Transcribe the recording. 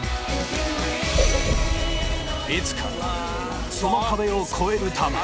いつかその壁を越えるため